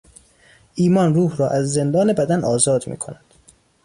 ایمان روح را از زندان بدن آزاد میکند.